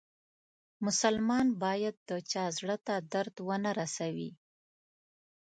مسلمان باید د چا زړه ته درد و نه روسوي.